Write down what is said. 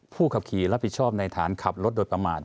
ขับขี่รับผิดชอบในฐานขับรถโดยประมาท